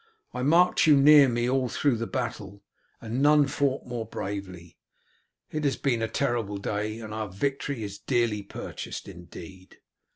"I marked you near me all through the battle, and none fought more bravely. It has been a terrible day, and our victory is dearly purchased indeed.